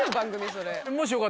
それ。